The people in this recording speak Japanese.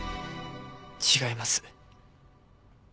違います。